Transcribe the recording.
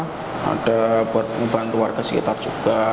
klinik kan ada untuk membantu warga sekitar juga